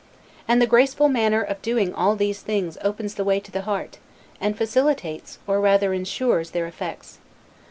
And the graceful manner of doing all these things opens the way to the heart, and facilitates, or rather insures, their effects.